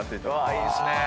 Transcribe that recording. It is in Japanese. いいですね。